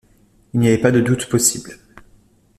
Il n’y avait pas de doute possible.